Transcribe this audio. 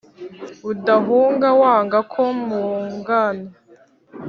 udahuga wanga ko mpugana.